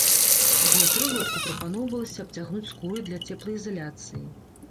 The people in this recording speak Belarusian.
Знутры лодку прапаноўвалася абцягнуць скурай для цеплаізаляцыі.